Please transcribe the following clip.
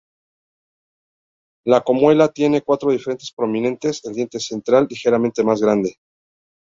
La columela tiene cuatro dientes prominentes, el diente central ligeramente más grande.